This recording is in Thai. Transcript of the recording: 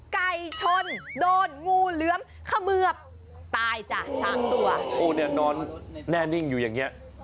ไก่ชนโดนงูเหลือมเขมือบตายจ้ะสามตัวโอ้เนี่ยนอนแน่นิ่งอยู่อย่างเงี้ย